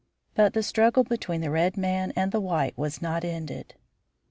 But the struggle between the red man and the white was not ended.